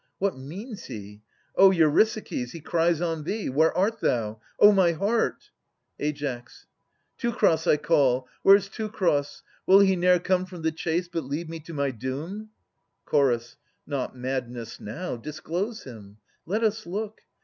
What means he ? Oh, Eurysakes ! He cries on thee. Where art thou? O my heart! Ai. Teucer I call ! Where 's Teucer ? Will he ne'er Come from the chase, but leave me to my doom? Ch. Not madness now. Disclose him. Let us look.